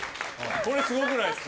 これ、すごくないですか？